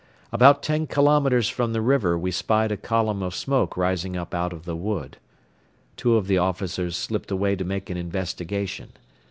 About ten kilometers from the river we spied a column of smoke rising up out of the wood. Two of the officers slipped away to make an investigation.